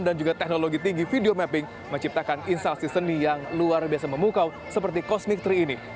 dan juga teknologi tinggi video mapping menciptakan instalasi seni yang luar biasa memukau seperti cosmic tree ini